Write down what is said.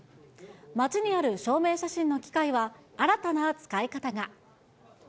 町にある証明写真の機械は新たな使い方が。